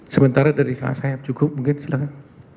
sementara dari kak sayap cukup mungkin silahkan